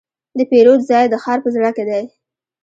د پیرود ځای د ښار په زړه کې دی.